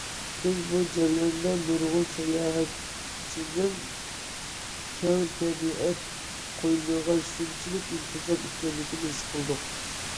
بىز بۇ جەرياندا نۇرغۇن ساياھەتچىنىڭ كەڭ تەبىئەت قوينىغا شۇنچىلىك ئىنتىزار ئىكەنلىكىنى ھېس قىلدۇق.